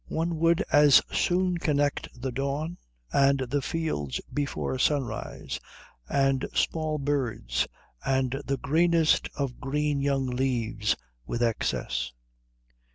One would as soon connect the dawn and the fields before sunrise and small birds and the greenest of green young leaves with excess."